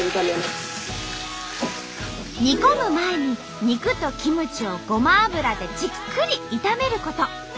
煮込む前に肉とキムチをごま油でじっくり炒めること。